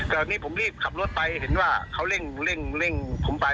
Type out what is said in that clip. แต่วันนี้ผมรีบขับรถไปเห็นว่าเขาเร่งเร่งเร่งคุมไป